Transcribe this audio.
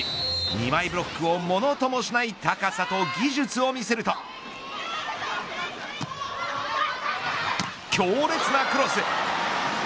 ２枚ブロックをものともしない高さと技術を見せると強烈なクロス。